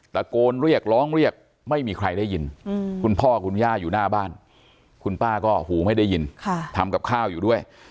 ตะโกนเรียกร้องเรียกไม่มีใครได้ยินคุณพ่อคุณย่าอยู่หน้าบ้านคุณป้าก็หูไม่ได้ยินทำกับข้าวอยู่ด้วย